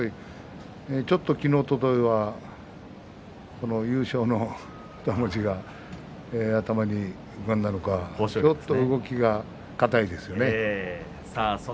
ちょっと昨日おとといは優勝の２文字が頭に浮かんだのかちょっと動きが硬いですね。